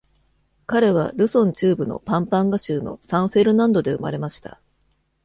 彼はルソン中部のパンパンガ州のサン・フェルナンドで生まれました。